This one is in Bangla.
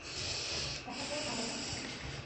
দেখা হয়ে ভালো লাগছে।